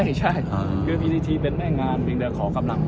ซึ่งการการขอหมายเองการที่จัดชุดกำลังเองจัดคนที่เป้าเองก็เป็นเรื่องของของหน่วยนะครับ